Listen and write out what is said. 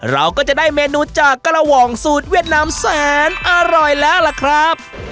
เราก็จะได้เมนูจากกระหว่องสูตรเวียดนามแสนอร่อยแล้วล่ะครับ